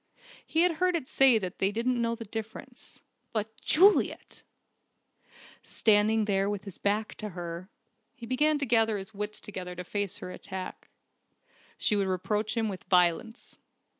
He had heard it said that they didn't know the difference. But Juliet! Standing there with his back to her, he began to gather his wits together to face her attack. She would reproach him with violence.